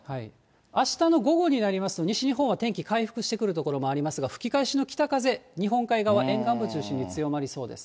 あしたの午後になりますと、西日本は天気回復してくる所もありますが、吹き返しの北風、日本海側、沿岸部を中心に強まりそうです。